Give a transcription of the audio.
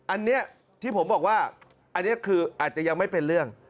อันนี้ที่ผมบอกว่าอันนี้คืออาจจะยังไม่เป็นเรื่อง